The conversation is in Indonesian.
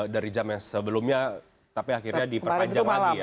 dari jam yang sebelumnya tapi akhirnya diperpanjang lagi ya